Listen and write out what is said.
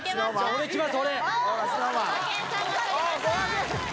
俺いきます